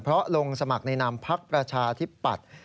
เพราะลงสมัครในนามพักประชาธิปัตย์